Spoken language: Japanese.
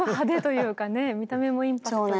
見た目のインパクトが。